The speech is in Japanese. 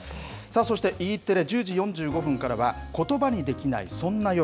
そしてＥテレ１０時４５分からは、言葉にできない、そんな夜。